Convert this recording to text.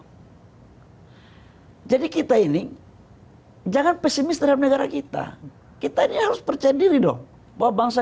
hai jadi kita ini jangan pesimis terhadap negara kita kita ini harus percaya diri dong bahwa bangsa